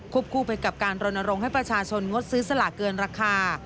คู่ไปกับการรณรงค์ให้ประชาชนงดซื้อสลากเกินราคา